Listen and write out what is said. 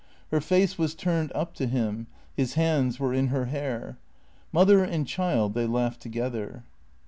Her face was turned up to him, his hands were in her hair. Mother and child they laughed together.